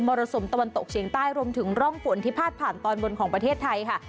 รสุมตะวันตกเฉียงใต้รวมถึงร่องฝนที่พาดผ่านตอนบนของประเทศไทยค่ะ